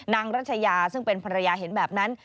รัชยาซึ่งเป็นภรรยาเห็นแบบนั้น